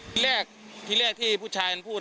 กู้ภัยก็เลยมาช่วยแต่ฝ่ายชายก็เลยมาช่วย